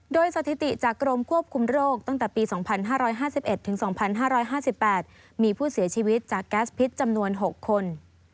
โดยสถิติจากกรมควบคุมโรคตั้งแต่ปี๒๕๕๑ถึง๒๕๕๘มีผู้เสียชีวิตจากแก๊สพิษจำนวน๖คน